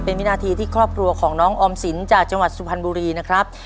เป็นวินาทีที่ครอบครัวของน้องออมสินจากจังหวัดสุพรรณบุรีนะครับ